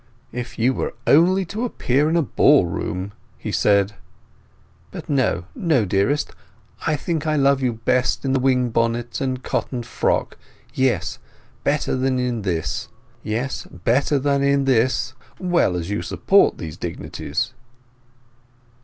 "If you were only to appear in a ball room!" he said. "But no—no, dearest; I think I love you best in the wing bonnet and cotton frock—yes, better than in this, well as you support these dignities."